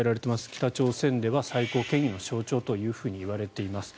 北朝鮮では最高権威の象徴といわれています。